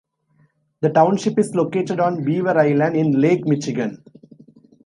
The township is located on Beaver Island in Lake Michigan.